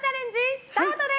スタートです。